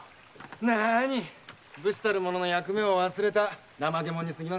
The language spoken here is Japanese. なあに武士たる者の役目を忘れた怠け者にすぎませんよ。